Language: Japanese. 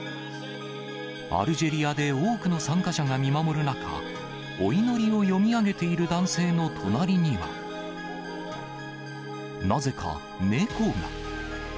アルジェリアで多くの参加者が見守る中、お祈りを読み上げている男性の隣には、なぜか猫が。